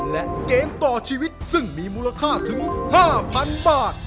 และเกมต่อชีวิตซึ่งมีมูลค่าถึง๕๐๐๐บาท